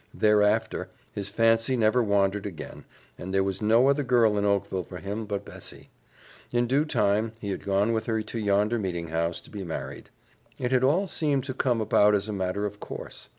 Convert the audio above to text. Thereafter, his fancy never wandered again, and there was no other girl in Oakville for him but Bessie. In due time, he had gone with her to yonder meeting house to be married. It had all seemed to come about as a matter of course.